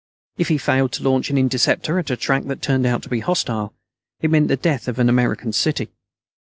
If he failed to launch an interceptor at a track that turned out to be hostile, it meant the death of an American city.